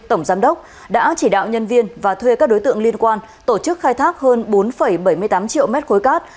tổng giám đốc đã chỉ đạo nhân viên và thuê các đối tượng liên quan tổ chức khai thác hơn bốn bảy mươi tám triệu mét khối cát